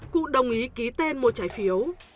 cụ đồng ý ký tên mua trái phiếu